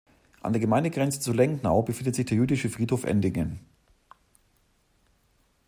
An der Gemeindegrenze zu Lengnau befindet sich der Jüdische Friedhof Endingen.